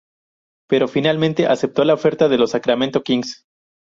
Pero finalmente aceptó la oferta de los Sacramento Kings.